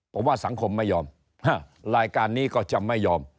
ผมว่าสังคมไม่ยอมรายการนี้ก็จะไม่ยอม